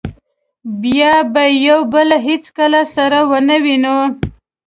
بیا به یو بل هېڅکله سره و نه وینو.